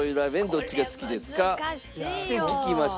どっちが好きですか？って聞きました。